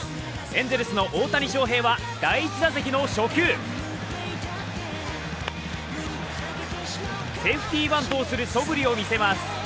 エンゼルスの大谷翔平は第１打席の初球、セーフティバントをするそぶりを見せます。